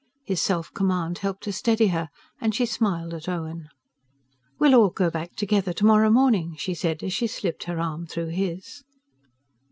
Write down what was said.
His self command helped to steady her, and she smiled at Owen. "We'll all go back together tomorrow morning," she said as she slipped her arm through his.